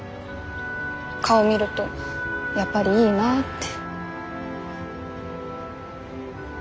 顔見るとやっぱりいいなって。